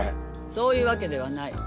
そういうわけではない。